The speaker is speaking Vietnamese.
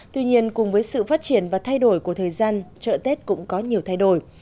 tuy nhiên cùng với sự phát triển và thay đổi của thời gian chợ tết cũng có nhiều thay đổi